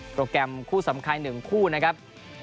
แกรมคู่สำคัญ๑คู่นะครับ